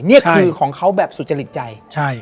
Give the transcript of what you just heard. นี่คือของเขาแบบสุจริตใจ